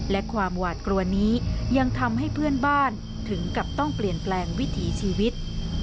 และความหวาดกลัวนี้ยังทำให้เพื่อนบ้านถึงกับต้องเปลี่ยนแปลงวิถีชีวิต